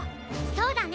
そうだね！